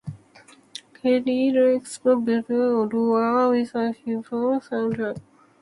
Kennedy lives in Bettendorf, Iowa with his wife and son, Jack.